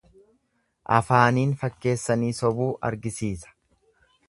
Afaaniin fakkeessanii sobuu argisiisa.